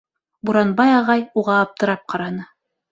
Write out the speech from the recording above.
Буранбай ағай уға аптырап ҡараны: